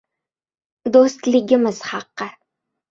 Do‘stligimiz haqi!